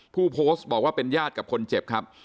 ผู้โพสต์บอกว่าเป็นญาติกับคนเจ็บครับ